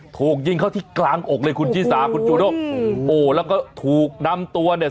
ถูกยิงเข้าที่กลางอกเลยคุณชิสาคุณจูด้งโอ้แล้วก็ถูกนำตัวเนี่ย